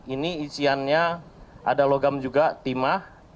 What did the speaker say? ini isiannya ada logam juga timah